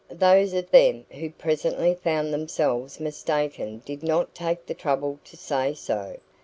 Those of them who presently found themselves mistaken did not take the trouble to say so.